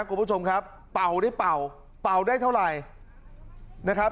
คุณผู้ชมครับเป่าได้เป่าเป่าได้เท่าไหร่นะครับ